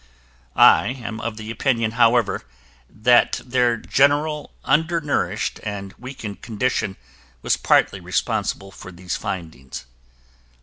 I am of the opinion, however, that their generally undernourished and weakened condition was partly responsible for these findings.